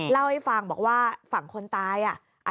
เล่าให้ฟังบอกว่าฝั่งคนตายอ่ะ